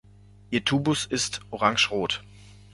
Ihr Tubus ist orange-rot.